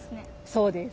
そうです。